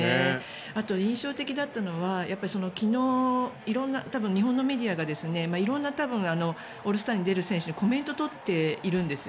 あと印象的だったのは昨日、色んな日本のメディアが色んなオールスターに出る選手にコメントを取っているんです。